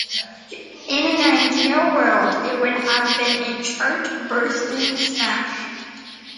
In an ideal world it would have been a chart-busting smash!